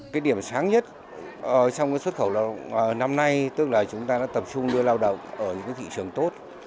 cái điểm sáng nhất trong cái xuất khẩu lao động năm nay tức là chúng ta đã tập trung đưa lao động ở những thị trường tốt